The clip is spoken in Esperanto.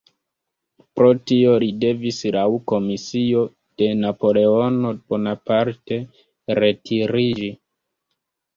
Pro tio li devis laŭ komisio de Napoleono Bonaparte retiriĝi.